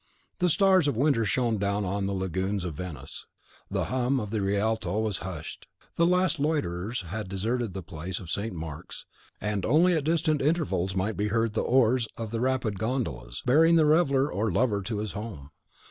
The stars of winter shone down on the lagunes of Venice. The hum of the Rialto was hushed, the last loiterers had deserted the Place of St. Mark's, and only at distant intervals might be heard the oars of the rapid gondolas, bearing reveller or lover to his home.